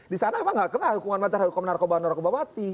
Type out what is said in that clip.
di sana memang tidak kena hukuman mati hukuman narkobawan narkobat mati